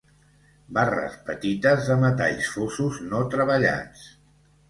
Barres petites de metalls fosos no treballats.